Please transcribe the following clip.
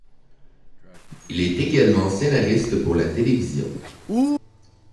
Il est également scénariste pour la télévision.